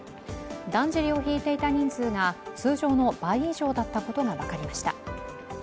だんじりをひいていた人数が通常の倍以上だったことが分かりました。